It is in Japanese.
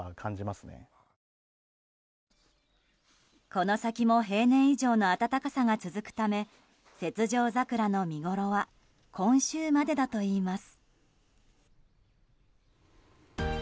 この先も平年以上の暖かさが続くため雪上桜の見ごろは今週までだといいます。